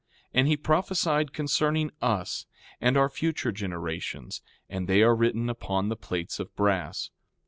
And he prophesied concerning us, and our future generations; and they are written upon the plates of brass.